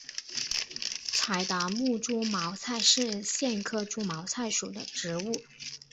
柴达木猪毛菜是苋科猪毛菜属的植物。